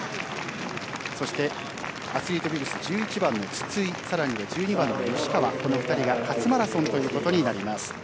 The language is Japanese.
そしてアスリートビブス１１番の筒井さらに１２番の吉川この２人が初マラソンとなります。